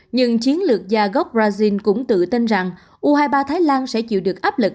nhưng chiến lược gia gốc brazil cũng tự tin rằng u hai mươi ba thái lan sẽ chịu được áp lực